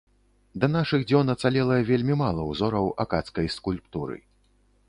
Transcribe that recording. Да нашых дзён ацалела вельмі мала ўзораў акадскай скульптуры.